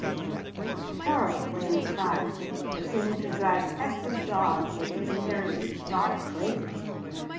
_ a terrible, wailing cry that seemed to drive every dog within hearing stark crazy.